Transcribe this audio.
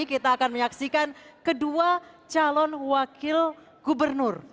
kita akan menyaksikan kedua calon wakil gubernur